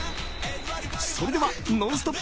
それでは「ノンストップ！」